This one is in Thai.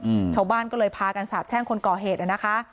อืมชาวบ้านก็เลยพากันสาบแช่งคนก่อเหตุอ่ะนะคะ